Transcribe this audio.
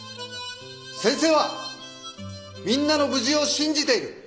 先生はみんなの無事を信じている